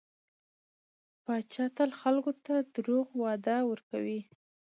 پاچا تل خلکو ته دروغ وعده ورکوي .